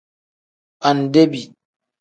Andebi.